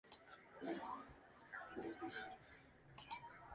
Terminó sus estudios secundarios en el Liceo Nacional de Señoritas Nro.